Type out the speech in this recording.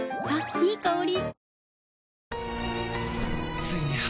いい香り。